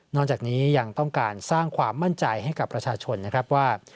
จากนี้ยังต้องการสร้างความมั่นใจให้กับประชาชนนะครับว่า